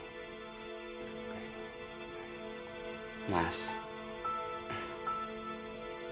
tolong tebus mbak sari dan melatih anaknya di tangan penyandera